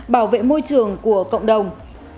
bảo vệ môi trường của cộng đồng